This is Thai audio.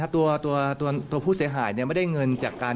ไม่ได้คุยกันนานมากก็จะเป็นห้องโล่งแล้วก็มีอะไรกันเสร็จก็คือแก้ง